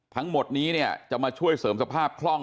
ทั้งหมดนี้เนี่ยจะมาช่วยเสริมสภาพคล่อง